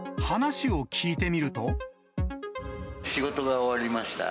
仕事が終わりました。